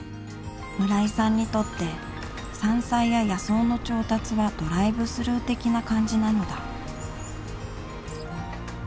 村井さんにとって山菜や野草の調達はドライブスルー的な感じなのだ